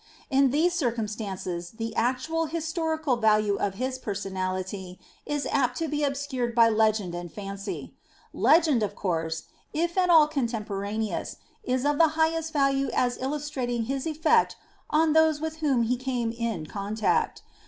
In these circumstances the actual his torical value of his personality is apt to be obscured by legend and fancy. Legend, of course, if at all contempo raneous, is of the highest value as illustrating his effect on those with whom he came in contact.